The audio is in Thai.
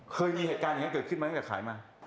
เคยมีเหตุการณ์อย่างนั้นเกิดขึ้นมาตั้งแต่ขายมา